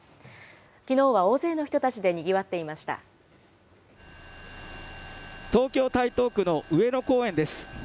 きのうは大勢の人たちでにぎわっ東京・台東区の上野公園です。